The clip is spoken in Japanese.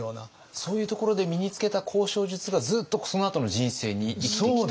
そういうところで身につけた交渉術がずっとそのあとの人生に生きてきた？